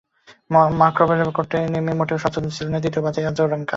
মাকারোভার বিপক্ষে কোর্টে নেমে মোটেও স্বচ্ছন্দ ছিলেন না তৃতীয় বাছাই আজারেঙ্কা।